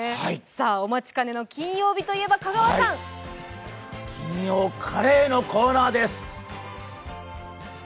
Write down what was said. お待ちかねの金曜日といえば金曜カレーのコーナーです。